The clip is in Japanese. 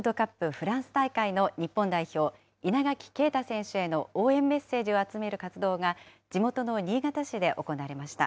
フランス大会の日本代表、稲垣啓太選手への応援メッセージを集める活動が地元の新潟市で行われました。